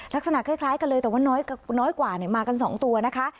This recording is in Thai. ลักษณะคล้ายกันเลยแต่ว่าน้อยกว่ามากัน๒ตัวนะคะ